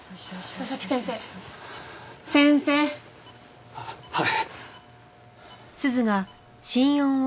佐々木先生先生！ははい。